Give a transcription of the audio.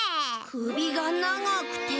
くびがながくて。